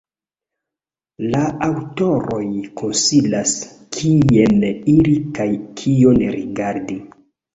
La aŭtoroj konsilas, kien iri kaj kion rigardi.